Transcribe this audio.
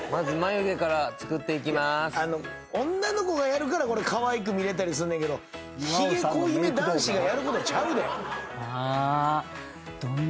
女の子がやるからかわいく見れたりすんねんけどひげ濃いめ男子がやることちゃうで。